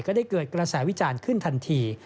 ก็ได้เกิดกระแสวิจารณ์ขึ้นทันที